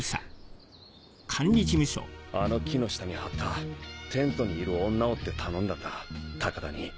あの木の下に張ったテントにいる女をって頼んだんだ高田に。